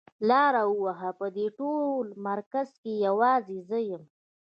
لار وهه په دې ټول مرکز کې يوازې زه يم.